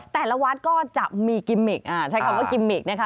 แต่ละวัดก็จะมีกิมมิกใช้คำว่ากิมมิกนะคะ